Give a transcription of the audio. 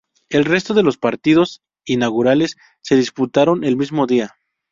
El Resto de los Partidos Inaugurales se disputaron el mismo día.